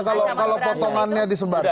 karena kalau potongannya disebarkan